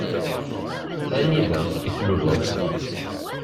Anida i tluleḍ?